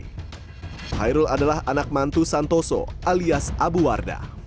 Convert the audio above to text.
khairul adalah anak mantu santoso alias abuwarda